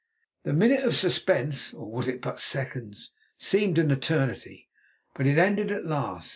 The minute of suspense—or was it but seconds?—seemed an eternity. But it ended at last.